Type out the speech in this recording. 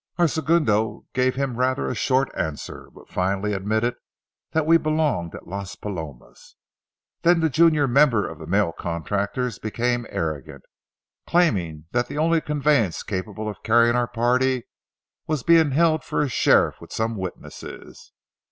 Our segundo gave him rather a short answer, but finally admitted that we belonged at Las Palomas. Then the junior member of the mail contractors became arrogant, claiming that the only conveyance capable of carrying our party was being held for a sheriff with some witnesses.